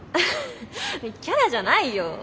フッキャラじゃないよ。